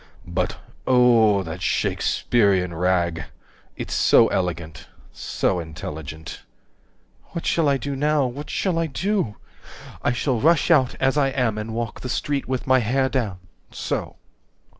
But O O O O that Shakespeherian Rag— It's so elegant So intelligent 130 "What shall I do now? What shall I do? I shall rush out as I am, and walk the street With my hair down, so.